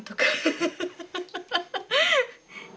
ハハハハ。